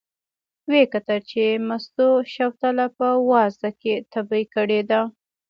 و یې کتل چې مستو شوتله په وازده کې تبی کړې ده.